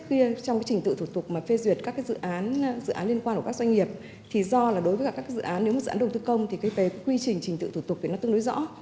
trong trình tự thủ tục phê duyệt các dự án liên quan của các doanh nghiệp do đối với các dự án đầu tư công quy trình trình tự thủ tục tương đối rõ